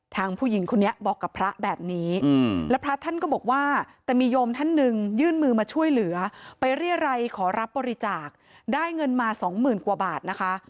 ผู้หญิงคนนี้บอกกับพระแบบนี้แล้วพระท่านก็บอกว่าแต่มีโยมท่านหนึ่งยื่นมือมาช่วยเหลือไปเรียรัยขอรับบริจาคได้เงินมาสองหมื่นกว่าบาทนะคะ